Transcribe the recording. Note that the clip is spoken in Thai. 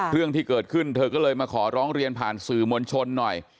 เรื่องที่เกิดขึ้นเธอก็เลยมาขอร้องเรียนผ่านสื่อมวลชนหน่อย